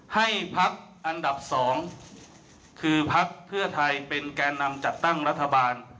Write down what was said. ให้พักอันดับ๒คือพักเพื่อไทยเป็นแก่นำจัดตั้งรัฐบาล